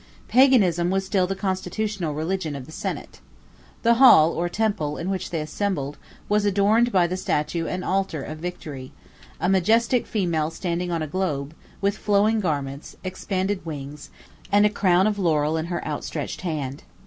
Paganism was still the constitutional religion of the senate. The hall, or temple, in which they assembled, was adorned by the statue and altar of Victory; 7 a majestic female standing on a globe, with flowing garments, expanded wings, and a crown of laurel in her outstretched hand.